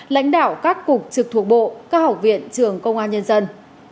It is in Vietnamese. lãnh đạo các cục trực thuộc bộ các học viện trường công an nhân dân